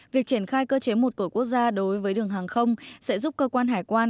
việc triển khai cơ chế một cửa quốc gia đối với đường hàng không sẽ giúp cơ quan hải quan